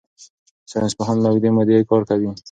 ساینسپوهان له اوږدې مودې کار کوي.